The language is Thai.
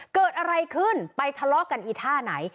เกิดอะไรขึ้นไปทะเลาะกันอีท่าไหน